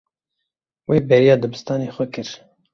Wê bêriya dibistana xwe kir.